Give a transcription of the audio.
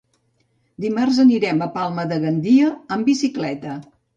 Dimarts anirem a Palma de Gandia amb bicicleta.